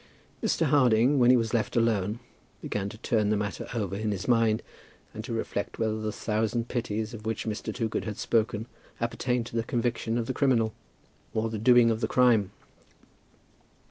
Mr. Harding, when he was left alone, began to turn the matter over in his mind and to reflect whether the thousand pities of which Mr. Toogood had spoken appertained to the conviction of the criminal, or the doing of the crime.